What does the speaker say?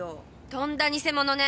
とんだ偽者ね。